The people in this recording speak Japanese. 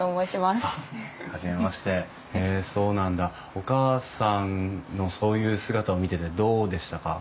お母さんのそういう姿を見ててどうでしたか？